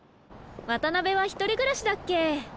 渡辺は一人暮らしだっけ？